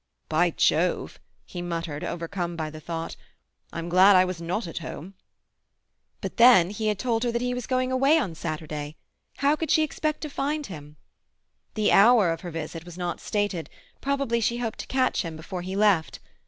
"By Jove!" he muttered, overcome by the thought. "I'm glad I was not at home!" But then—he had told her that he was going away on Saturday. How could she expect to find him? The hour of her visit was not stated; probably she hoped to catch him before he left.